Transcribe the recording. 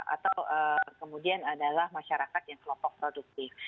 atau kemudian adalah masyarakat yang kelompok produktif